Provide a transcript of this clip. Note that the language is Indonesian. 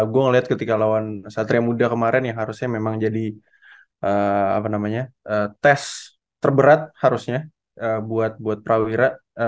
gue ngeliat ketika lawan satria muda kemarin yang harusnya memang jadi tes terberat harusnya buat prawira